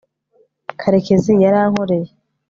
karekezi yarankoreye